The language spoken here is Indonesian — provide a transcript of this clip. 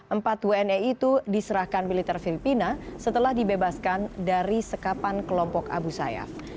empat wni itu diserahkan militer filipina setelah dibebaskan dari sekapan kelompok abu sayyaf